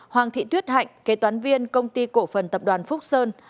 hoàng thị tuyết hạnh kế toán viên công ty cổ phần tập đoàn phúc sơn